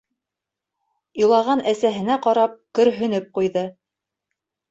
Илаған әсәһенә ҡарап, көрһөнөп ҡуйҙы.